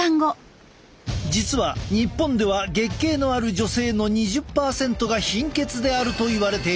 実は日本では月経のある女性の２０％が貧血であるといわれている。